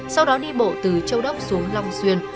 sau đó đi bộ từ châu đốc xuống long xuyên